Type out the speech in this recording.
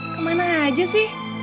kemana aja sih